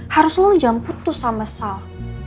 harus lo jam putus sama sal